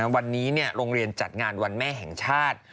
วันนี้โรงเรียนจัดงานวันแม่แห่งชาติ